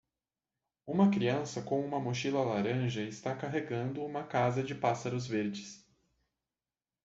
Uma criança com uma mochila laranja está carregando uma casa de pássaros verdes.